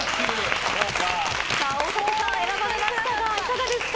大竹さん、選ばれましたがいかがですか？